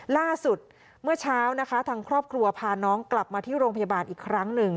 ล่าสุดเมื่อเช้านะคะทางครอบครัวพาน้องกลับมาที่โรงพยาบาลอีกครั้งหนึ่ง